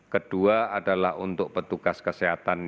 kedua adalah untuk petugas kesehatan